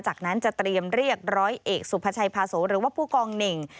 จากนั้นจะเตรียมเรียกร้อยเอกสุภาชัยพาโสหรือว่าผู้กองเน่ง